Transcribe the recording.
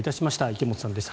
池本さんでした。